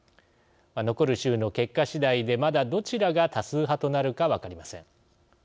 残る州の結果次第でまだ、どちらが多数派となるか分かりません。